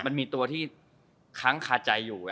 มันมีตัวที่ค้างคาใจอยู่